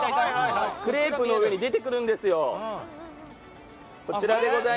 クレープの上に出てくるんですよ。